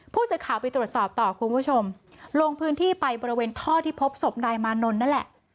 ผู้สื่อข่าวไปตรวจสอบต่อคุณผู้ชมลงพื้นที่ไปบริเวณท่อที่พบศพนายมานนท์นั่นแหละ